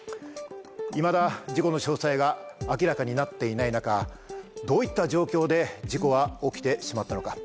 いまだ事故の詳細が明らかになっていない中どういった状況で事故は起きてしまったのか。